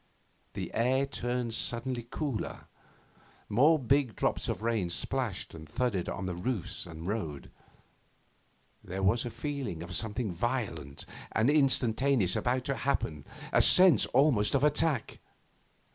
The air turned suddenly cooler. More big drops of rain splashed and thudded on the roofs and road. There was a feeling of something violent and instantaneous about to happen, a sense almost of attack.